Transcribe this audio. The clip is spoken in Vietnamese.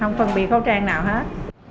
không phân biệt khẩu trang nào hết